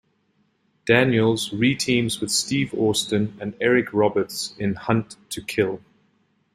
Daniels re-teams with Steve Austin and Eric Roberts in "Hunt to Kill".